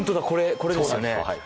これですよね。